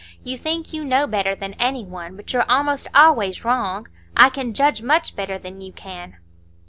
You think you know better than any one, but you're almost always wrong. I can judge much better than you can."